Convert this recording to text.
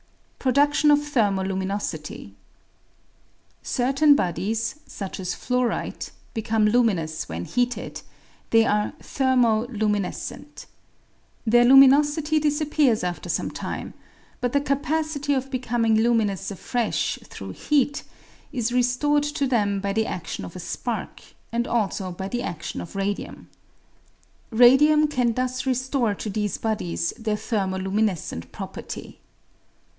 Production of Thcrmo lnmijiosity. —Ceita.m bodies, such as fluorite, become luminous when heated ; they are thermo luminescent. Their luminosity disappears after some time, but the capacity of becoming lummous afresh through heat is restored to them by the adion of a spark, and also by the adion of radium. Radium can thus restore to these bodies their thermo luminescent property.